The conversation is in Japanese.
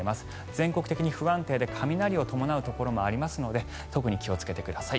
全国的に不安定で雷を伴うところもありますので特に気をつけてください。